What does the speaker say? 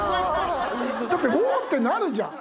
だって「うおー！」ってなるじゃん。